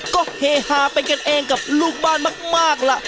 ก็เฮฮาไปกันเองกับลูกบ้านมากล่ะ